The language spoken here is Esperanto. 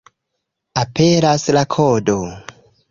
Aperas la kodo.